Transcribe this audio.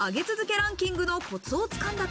ランキングのコツを掴んだか？